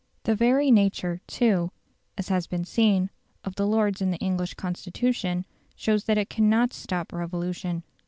The very nature, too, as has been seen, of the Lords in the English Constitution, shows that it cannot stop revolution.